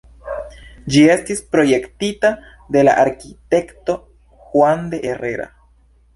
Ĝi estis projektita de la arkitekto Juan de Herrera.